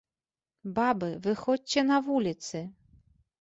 Бабы, выходзьце на вуліцы!